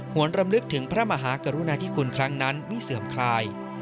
วนรำลึกถึงพระมหากรุณาธิคุณครั้งนั้นไม่เสื่อมคลาย